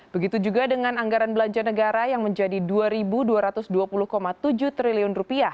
begitu juga dengan anggaran belanja negara yang menjadi rp dua dua ratus dua puluh tujuh triliun